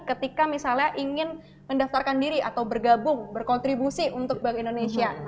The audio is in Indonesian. ketika misalnya ingin mendaftarkan diri atau bergabung berkontribusi untuk bank indonesia